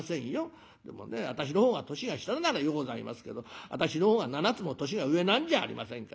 でもね私の方が年が下ならようございますけど私の方が７つも年が上なんじゃありませんか。